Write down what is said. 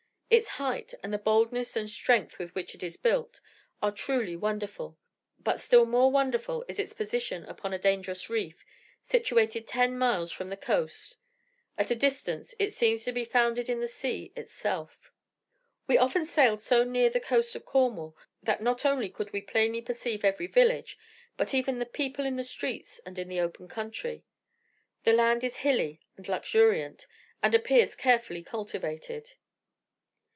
Its height, and the boldness and strength with which it is built, are truly wonderful; but still more wonderful is its position upon a dangerous reef, situated ten miles from the coast; at a distance, it seems to be founded in the sea itself. We often sailed so near the coast of Cornwall, that not only could we plainly perceive every village, but even the people in the streets and in the open country. The land is hilly and luxuriant, and appears carefully cultivated.